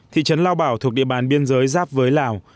thị trấn lao bảo thuộc địa bàn biên giới giáp với lào